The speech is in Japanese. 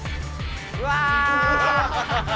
うわ！